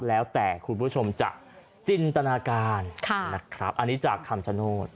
แล้วแต่คุณผู้ชมจะจินตนาการนะครับอันนี้จากคำชโนธ